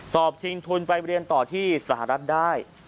ชิงทุนไปเรียนต่อที่สหรัฐได้